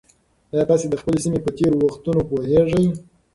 ایا تاسي د خپلې سیمې په تېرو وختونو پوهېږئ؟